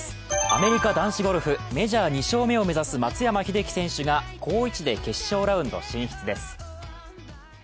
アメリカ男子ゴルフメジャー２勝目を目指す松山英樹選手が好位置で決勝ラウンド進出です。